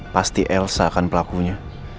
pasti elsa kan pelakunya